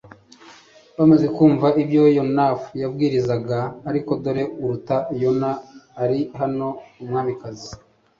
bamaze kumva ibyo Yonaf yabwirizaga ariko dore uruta Yona ari hano Umwamikazi